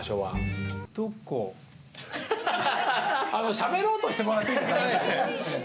しゃべろうとしてもらっていいですかね？